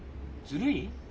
ずるい？